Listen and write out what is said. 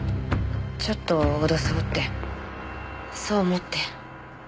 ちょっと脅そうってそう思って。